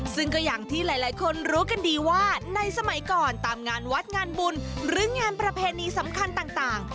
ซึ่งก็อย่างที่หลายคนรู้กันดีว่าในสมัยก่อนตามงานวัดงานบุญหรืองานประเพณีสำคัญต่าง